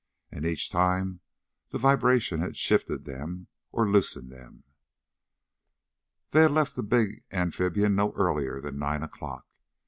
And each time the vibration had shifted them, or loosened them.... They had left the big amphibian no earlier than nine o'clock.